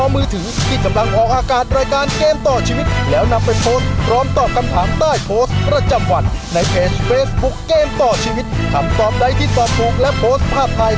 มูลค่า๕๐๐บาทกำนวน๑รางวัลไปเลย